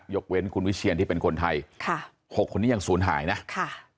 ยกเว้นคุณวิเชียนที่เป็นคนไทยค่ะหกคนนี้ยังศูนย์หายนะค่ะ